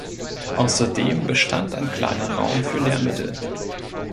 Außerdem bestand ein kleiner Raum für Lehrmittel.